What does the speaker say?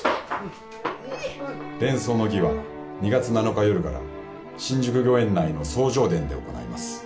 斂葬の儀は２月７日夜から新宿御苑内の葬場殿で行います